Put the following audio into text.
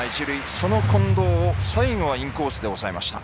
その近藤を最後はインコースで抑えました。